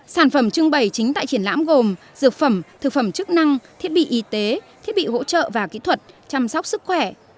sản phẩm trưng bày chính tại triển lãm gồm dược phẩm thực phẩm chức năng thiết bị y tế thiết bị hỗ trợ và kỹ thuật chăm sóc sức khỏe